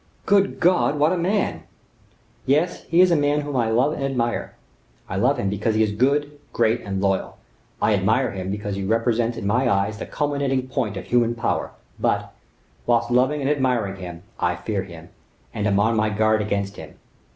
"Good God! what a man!" "Yes, he is a man whom I love and admire. I love him because he is good, great, and loyal; I admire him because he represents in my eyes the culminating point of human power; but, whilst loving and admiring him, I fear him, and am on my guard against him.